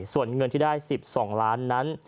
ส่วนเงินที่ได้๑๒ล้านนั้น